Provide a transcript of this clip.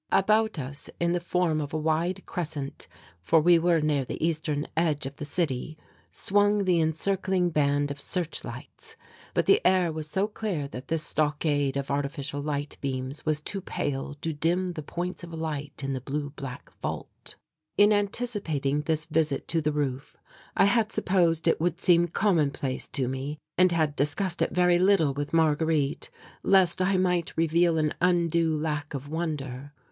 About us, in the form of a wide crescent, for we were near the eastern edge of the city, swung the encircling band of searchlights, but the air was so clear that this stockade of artificial light beams was too pale to dim the points of light in the blue black vault. In anticipating this visit to the roof I had supposed it would seem commonplace to me, and had discussed it very little with Marguerite, lest I might reveal an undue lack of wonder.